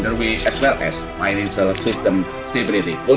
sama juga stabilitas sistem finansial